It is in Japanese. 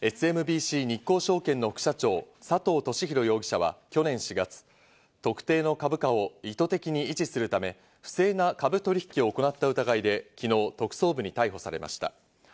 ＳＭＢＣ日興証券の副社長・佐藤俊弘容疑者は去年４月、特定の株価を意図的に維持するため不正な株取引を行った疑いで昨日、特捜部に逮捕されました。